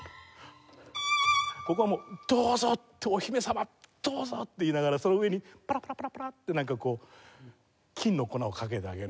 ここはもう「どうぞ」って「お姫様どうぞ」って言いながらその上にパラパラパラパラってなんかこう金の粉をかけてあげる。